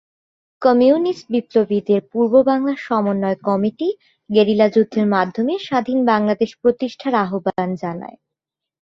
Communist বিপ্লবীদের পূর্ব বাংলা সমন্বয় কমিটি গেরিলা যুদ্ধের মাধ্যমে স্বাধীন বাংলাদেশ প্রতিষ্ঠার আহবান জানায়।